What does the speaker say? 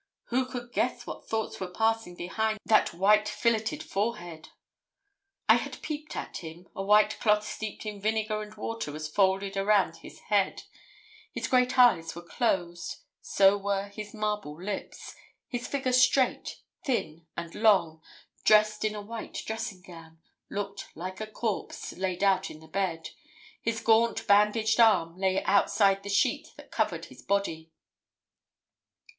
who could guess what thoughts were passing behind that white fillited forehead? I had peeped at him: a white cloth steeped in vinegar and water was folded round his head; his great eyes were closed, so were his marble lips; his figure straight, thin, and long, dressed in a white dressing gown, looked like a corpse 'laid out' in the bed; his gaunt bandaged arm lay outside the sheet that covered his body.